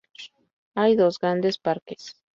Hay dos grandes parques.